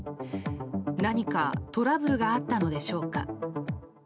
何かトラブルがあったのでしょうか。